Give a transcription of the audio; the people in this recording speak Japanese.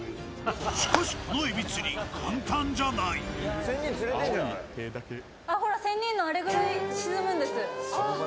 しかし、このえび釣り簡単じゃない仙人の、あれぐらい沈むんです。